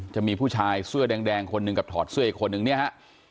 จะมีผู้ชายเสื้อแดงคนหนึ่งกับถอดเสื้ออีกคนนึงเนี่ยฮะ